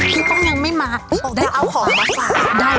ที่ต้องยังไม่มาได้เอาของมาฝาก